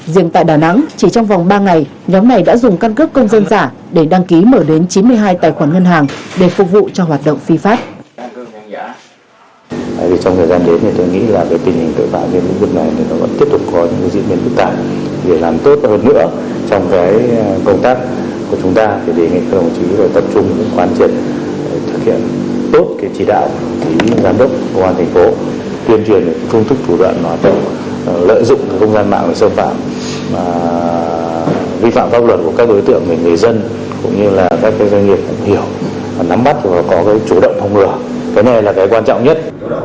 riêng tại đà nẵng chỉ trong vòng ba ngày nhóm này đã dùng căn cước công dân giả để đăng ký mở đến chín mươi hai tài khoản ngân hàng để phục vụ cho hoạt động phi pháp